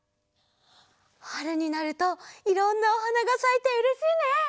はるになるといろんなおはながさいてうれしいね！